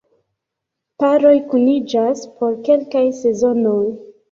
Paroj kuniĝas por kelkaj sezonoj.